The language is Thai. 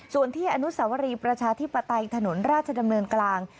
ส่วนที่อนุสาวรีประชาธิปไตยถนนราชดำเนินกลาง